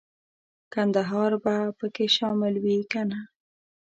کندهار به پکې شامل وي کنه.